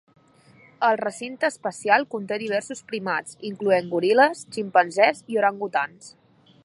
El recinte especial conté diversos primats, incloent goril·les, ximpanzés i orangutans.